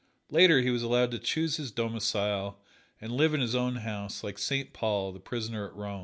Later he was allowed to choose his domicile and live in his own house, like Saint Paul, the prisoner at Rome.